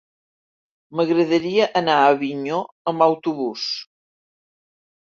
M'agradaria anar a Avinyó amb autobús.